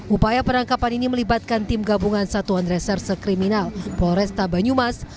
upaya penangkapan ini melibatkan tim gabungan satuan reserse kriminal polresta banyumas